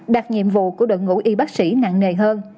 đặt nhiệm vụ của đội ngũ y bác sĩ nặng nề hơn